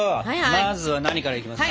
まずは何からいきますか？